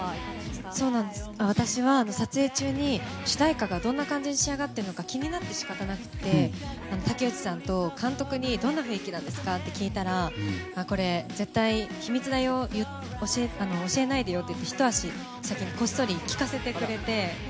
私は撮影中に主題歌がどんな感じで仕上がっているのか気になって仕方なくて竹内さんと監督にどんな雰囲気なんですか？って聞いたらこれ、絶対秘密だよ教えないでよってひと足先にこっそり聴かせてくれて。